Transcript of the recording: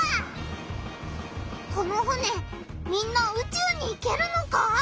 この船みんなうちゅうに行けるのか？